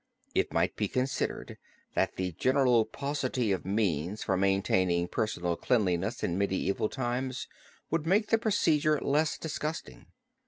It might be considered that the general paucity of means for maintaining personal cleanliness in medieval times would make the procedure less disgusting.